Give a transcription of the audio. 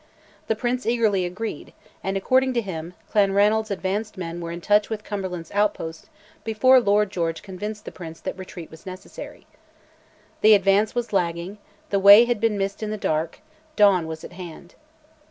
The Prince eagerly agreed, and, according to him, Clanranald's advanced men were in touch with Cumberland's outposts before Lord George convinced the Prince that retreat was necessary. The advance was lagging; the way had been missed in the dark; dawn was at hand.